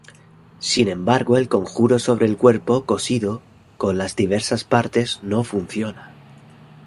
Sin embargo el conjuro sobre el cuerpo cosido con las diversas partes no funciona.